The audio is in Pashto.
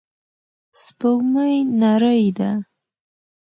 سپوږمۍ نرۍ ده.